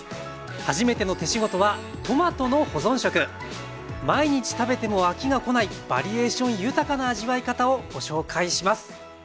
「はじめての手仕事」は毎日食べても飽きがこないバリエーション豊かな味わい方をご紹介します。